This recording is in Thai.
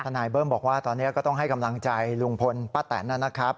นายเบิ้มบอกว่าตอนนี้ก็ต้องให้กำลังใจลุงพลป้าแตนนะครับ